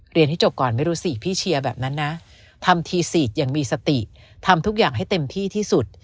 ให้จบก่อนไม่รู้สิพี่เชียร์แบบนั้นนะทำทีซีดอย่างมีสติทำทุกอย่างให้เต็มที่ที่สุด